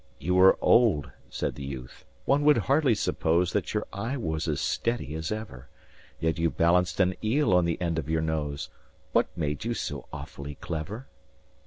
"You are old," said the youth, "one would hardly suppose That your eye was as steady as ever; Yet you balanced an eel on the end of your nose What made you so awfully clever?"